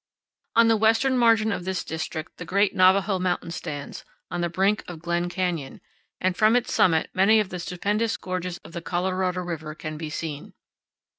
On the western margin of this district the great Navajo Mountain stands, on the brink of Glen Canyon, and from its summit many of the stupendous gorges of the Colorado River can be seen.